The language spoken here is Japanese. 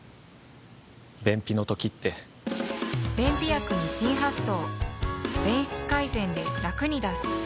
便秘の時って便秘薬に新発想